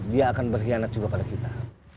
dia akan berkhianat juga pada kita